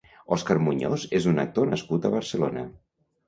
Òscar Muñoz és un actor nascut a Barcelona.